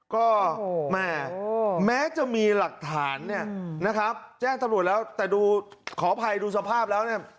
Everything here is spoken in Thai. ก็แม่แม้จะมีหลักฐานเนี่ยนะครับแจ้งตำรวจแล้วแต่ดูขออภัยดูสภาพแล้วเนี่ย